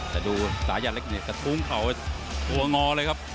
จะดูสายยานเล็กเนี่ยกะทุงเข่าตัวงอเลยครับ